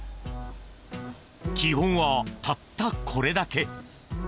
基本はたったこれだけ。